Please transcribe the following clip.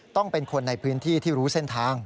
ต้องเป็นคนในพื้นที่ที่รู้เส้นทาง